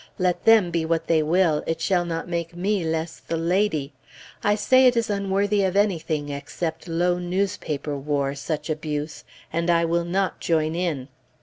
Let them be what they will, it shall not make me less the lady; I say it is unworthy of anything except low newspaper war, such abuse, and I will not join in.